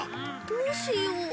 どうしよう。